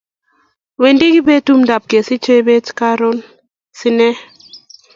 wendi kibet tumdo ab kesich jebet karon sinee